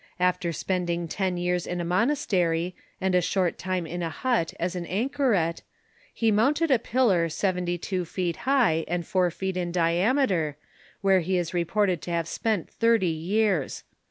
After spending ten years in a monastery and a short time in a hut as an anchoret, he mounted a pillar seventy two feet high and four feet in di ameter, Avhere he is reported to have spent thirty years.